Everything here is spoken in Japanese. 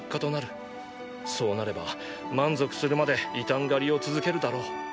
そうなれば満足するまで異端狩りを続けるだろう。